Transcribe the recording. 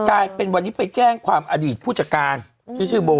กลายเป็นวันนี้ไปแจ้งความอดีตผู้จัดการที่ชื่อโบ